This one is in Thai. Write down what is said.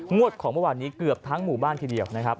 งวดของเมื่อวานนี้เกือบทั้งหมู่บ้านทีเดียวนะครับ